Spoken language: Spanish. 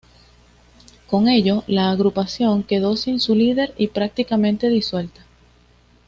Con ello, la agrupación quedó sin su líder y prácticamente disuelta.